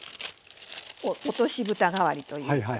落とし蓋代わりというか。